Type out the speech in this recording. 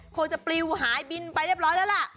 คงจะปลิวหายบินไปเรียบร้อยแล้วล่ะ